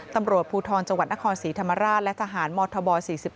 ตำรวจภูทรจังหวัดนครศรีธรรมราชและทหารมธบ๔๑